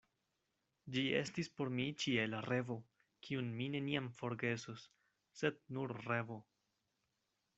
Ĝi estis por mi ĉiela revo, kiun mi neniam forgesos, sed nur revo.